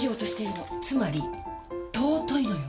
つまり尊いのよ！